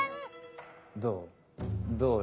どう？